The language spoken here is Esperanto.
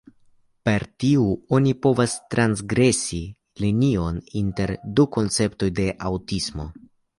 Per tiu oni povas transgresi linion inter du konceptoj de aŭtismo.